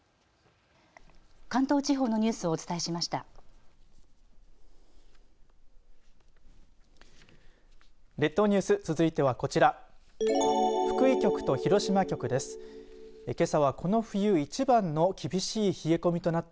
関東地方のニュースをお伝えしました。